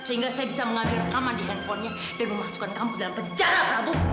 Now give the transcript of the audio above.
sehingga saya bisa mengambil rekaman di handphonenya dan memasukkan kamu dalam penjara kamu